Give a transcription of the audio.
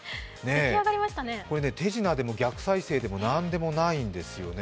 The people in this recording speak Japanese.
これ手品でも逆再生でも何でもないんですよね。